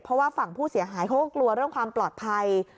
เพราะว่าฝั่งผู้เสียหายเขาก็กลัวเรื่องความปลอดภัย